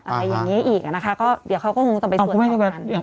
อะไรอย่างนี้อีกนะคะก็เดี๋ยวเขาก็คงต้องไปตรวจสอบกัน